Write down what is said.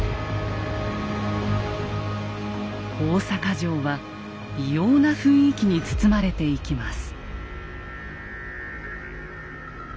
大坂城は異様な雰囲気に包まれていきます。